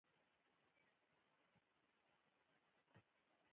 پابندي غرونه د افغانستان د ځایي اقتصادونو یو بنسټ دی.